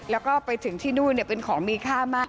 แล้วก็ไปถึงที่นู่นเป็นของมีค่ามาก